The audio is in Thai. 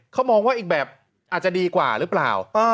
เขามองว่าอีกแบบอาจจะดีกว่าหรือเปล่า